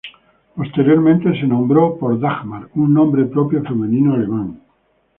Posteriormente se nombró por Dagmar, un nombre propio femenino alemán.